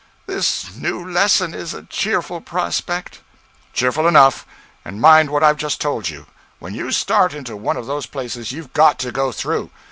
'This new lesson is a cheerful prospect.' 'Cheerful enough. And mind what I've just told you; when you start into one of those places you've got to go through.